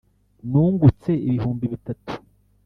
Nungutse ibihumbi bitatu,